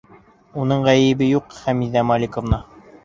Уның ғәйебе юҡ, Хәмиҙә Маликовна.